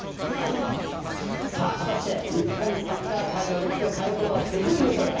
さあ、果たして日本サッカー界の歴史を変えることはできるんでしょうか。